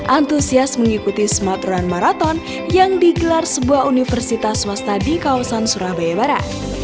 antusias mengikuti sematuran maraton yang digelar sebuah universitas swasta di kawasan surabaya barat